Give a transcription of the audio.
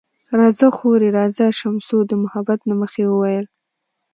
راځه خورې، راځه، شمشو د محبت له مخې وویل.